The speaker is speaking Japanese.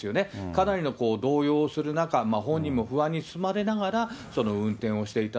かなりの動揺する中、本人も不安に包まれながら、運転をしていた。